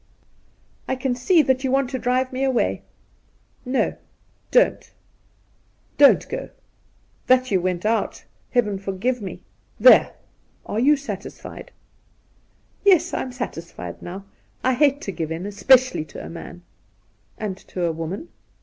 ' I can see that you want to drive me away.' ' No, don't — don't go !" That you went out." Heaven forgive me ! There, are you satisfied ?'' Yes, I'm satisfied now. I hate to give in — especially to a man.' Induna Nairn 123 ' And to a woman